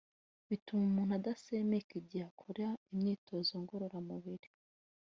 bituma umuntu adasemeka igihe akora imyitozo ngororamubiri